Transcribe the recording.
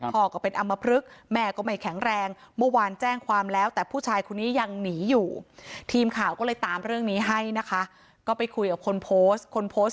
ก็เป็นอำมพลึกแม่ก็ไม่แข็งแรงเมื่อวานแจ้งความแล้วแต่ผู้ชายคนนี้ยังหนีอยู่ทีมข่าวก็เลยตามเรื่องนี้ให้นะคะก็ไปคุยกับคนโพสต์คนโพสต์